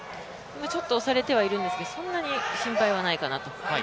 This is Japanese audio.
ちょっと押されているんですが、そんなに心配はないかなと。